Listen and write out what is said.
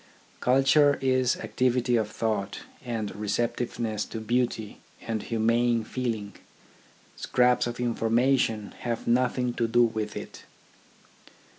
Culture is activity of thought, and receptive ness to beauty, and humane feeling. Scraps of information have nothing to do with it.